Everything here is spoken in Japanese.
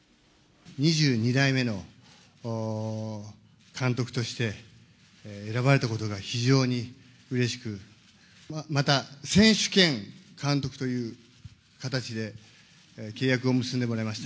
２２代目の監督として選ばれたことが非常にうれしく、また選手兼監督という形で、契約を結んでもらいました。